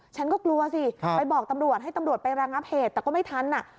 ฉันก็กลัวสิไปบอกตำรวจให้ตำรวจไประงับเหตุแต่ก็ไม่ทันอ่ะ